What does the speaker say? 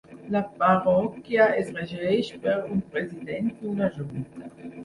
La parròquia es regeix per un President i una Junta.